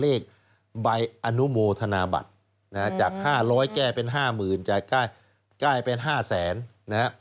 เลขใบอนุโมธนาบัตรจาก๕๐๐แก้เป็น๕๐๐๐๐แก้เป็น๕๐๐๐๐๐